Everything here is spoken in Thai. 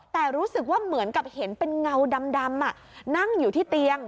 แต่รู้สึกว่าเหมือนกับเห็นเป็นเงาดำนั่งอยู่ที่เตียง